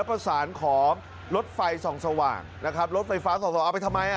ประสานขอรถไฟส่องสว่างนะครับรถไฟฟ้าส่องสเอาไปทำไมอ่ะ